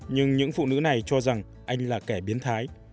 nhưng những phụ nữ này cho rằng anh là kẻ biến thái